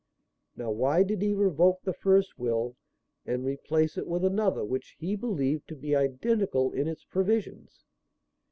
Now why did he revoke the first will and replace it with another which he believed to be identical in its provisions?